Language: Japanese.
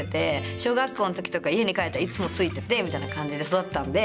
小学校の時とか家に帰ったらいつもついててみたいな感じで育ったんで。